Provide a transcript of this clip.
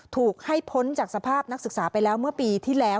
ถูกให้พ้นจากสภาพนักศึกษาไปแล้วเมื่อปีที่แล้ว